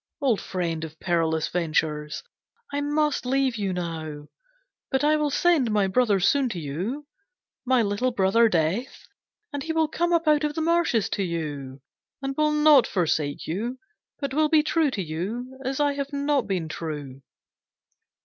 Old friend of perilous ventures, I must leave you now. But I will send my brother soon to you my little brother Death. And he will come up out of the marshes to you, and will not forsake you, but will be true to you as I have not been true.'